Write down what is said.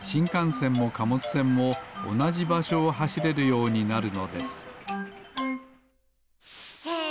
せんもかもつせんもおなじばしょをはしれるようになるのですへえ！